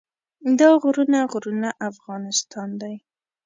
دا غرونه غرونه افغانستان دی.